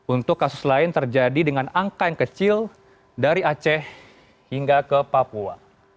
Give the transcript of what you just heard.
untuk kasus lain terjadi dengan angka yang kecil dari aceh hingga ke papua